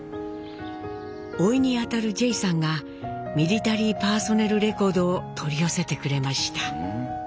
甥にあたるジェイさんが「ミリタリー・パーソネル・レコード」を取り寄せてくれました。